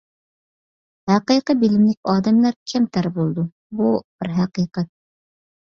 ھەقىقىي بىلىملىك ئادەملەر كەمتەر بولىدۇ. بۇ بىر ھەقىقەت.